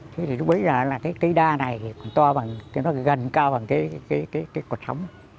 thế thì lúc bấy giờ là cái đa này thì còn to bằng nó gần cao bằng cái cuộc sống